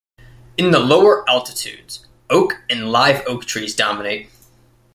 In the lower altitudes, oak and live oak trees dominate.